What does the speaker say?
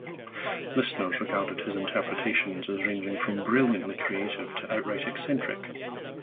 Listeners regarded his interpretations as ranging from brilliantly creative to outright eccentric.